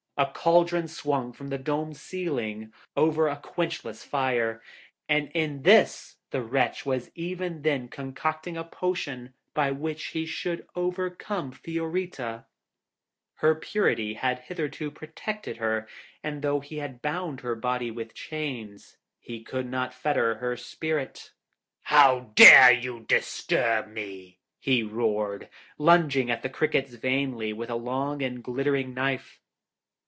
A cauldron swung from the domed ceiling, over a quenchless fire, and in this the wretch was even then concocting a potion by which he should overcome Fiorita. Her purity had hitherto protected her, and though he had bound her body with chains, he could not fetter her spirit. [Illustration: He tickled the Monster's Nose.] 'How dare you disturb me?' he roared, lunging at the crickets vainly with a long and glittering knife.